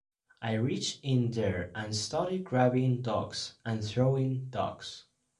I reached in there and started grabbing dogs and throwing dogs.